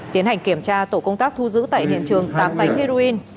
tiến hành kiểm tra tổ công tác thu giữ tại hiện trường tám bánh heroin